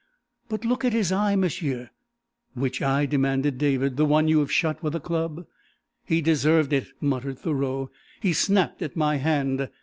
"But look at his eye, m'sieu " "Which eye?" demanded David. "The one you have shut with a club?" "He deserved it," muttered Thoreau. "He snapped at my hand.